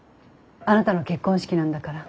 あなたの結婚式なんだから。